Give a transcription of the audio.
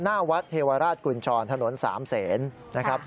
หน้าวัดเทวราชกุญชรถนน๓เสนนะครับ